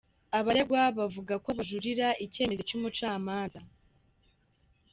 Abaregwa bavuga ko bazajuririra icyemezo cy’umucamanza.